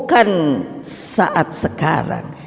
bukan saat sekarang